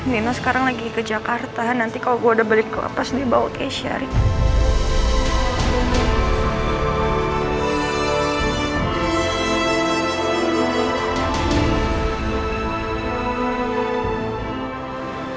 dino sekarang lagi ke jakarta nanti kalo gue udah balik ke la paz dia bawa keisha rik